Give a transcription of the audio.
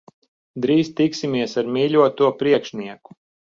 Drīz tiksimies ar mīļoto priekšnieku.